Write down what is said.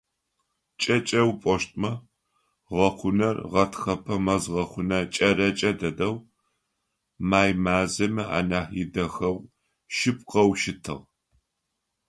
КӀэкӀэу пӀощтмэ, гъэхъунэр гъэтхэпэ мэз гъэхъунэ кӀэрэкӀэ дэдэу, май мазэми анахь идэхэгъу шъыпкъэу щытыгъ.